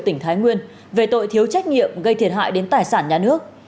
tỉnh thái nguyên về tội thiếu trách nhiệm gây thiệt hại đến tài sản nhà nước